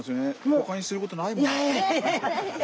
ほかにすることないもんで。